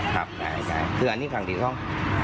ครับได้คืออันนี้ภังติดส่อง